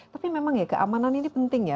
tapi memang ya keamanan ini penting ya